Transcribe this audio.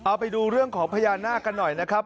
เอาไปดูเรื่องของพญานาคกันหน่อยนะครับ